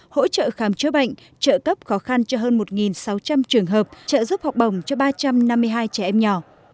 hỗ trợ khám chữa bệnh trợ cấp khó khăn cho hơn một sáu trăm linh trường hợp trợ giúp học bổng cho ba trăm năm mươi hai trẻ em nhỏ